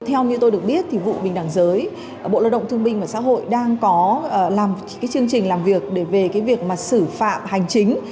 theo như tôi được biết vụ bình đảng giới bộ lợi động thương bình và xã hội đang có chương trình làm việc về việc xử phạm hành chính